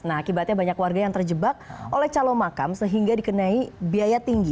nah akibatnya banyak warga yang terjebak oleh calon makam sehingga dikenai biaya tinggi